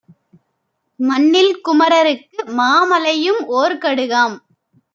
மண்ணில் குமரருக்கு மாமலையும் ஓர்கடுகாம்.